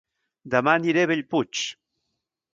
Dema aniré a Bellpuig